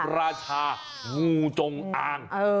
ราชางูจงอาง